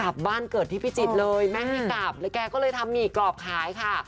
กลับบ้านเกิดที่พิจิตรเลยแม่ให้กลับแล้วแกก็เลยทำหมี่กรอบขายค่ะ